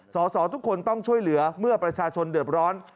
สอสอทุกคนต้องช่วยเหลือเมื่อประชาชนเดือดร้อน